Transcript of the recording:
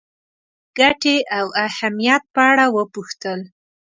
د ګټې او اهمیت په اړه وپوښتل.